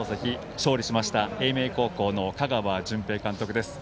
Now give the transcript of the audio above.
勝利しました英明高校の香川純平監督です。